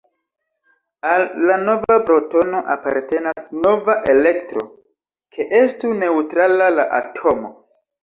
Al la nova protono apartenas nova elektro, ke estu neŭtrala la atomo.